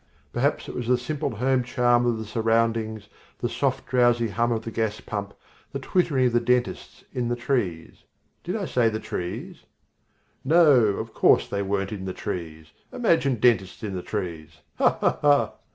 Perhaps it was the simple home charm of the surroundings, the soft drowsy hum of the gas pump, the twittering of the dentists in the trees did I say the trees? No; of course they weren't in the trees imagine dentists in the trees ha! ha!